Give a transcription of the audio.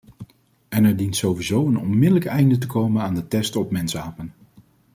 En er dient sowieso een onmiddellijk einde te komen aan de testen op mensapen.